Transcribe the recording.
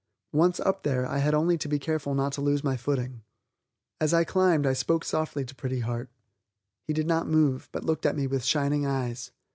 Once up there I had only to be careful not to lose my footing. As I climbed I spoke softly to Pretty Heart. He did not move, but looked at me with shining eyes.